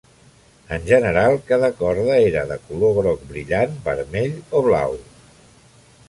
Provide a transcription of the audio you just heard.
En general, cada corda era de color groc brillant, vermell o blau.